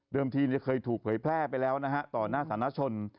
เดิมทีเคยถูกเผยแพร่ไปแล้วต่อหน้าสถานชน